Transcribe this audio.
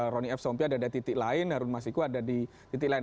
ronny f sompi ada di titik lain harun masiku ada di titik lain